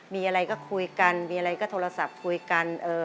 มีอะไรก็โทรศัพท์คุยกัน